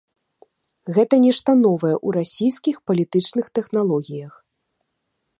Гэта нешта новае ў расійскіх палітычных тэхналогіях.